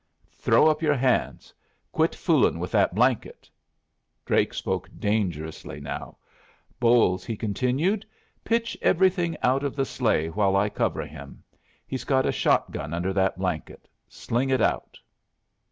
"Throw up your hands! Quit fooling with that blanket!" Drake spoke dangerously now. "Bolles," he continued, "pitch everything out of the sleigh while I cover him. He's got a shot gun under that blanket. Sling it out."